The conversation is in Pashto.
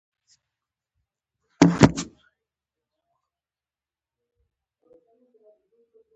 د چټک رفتار څخه ډډه وکړئ، ځکه ژوند ارزښت لري.